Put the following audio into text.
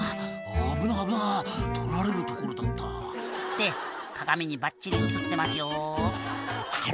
「危な危なぁ撮られるところだった」って鏡にばっちり映ってますよ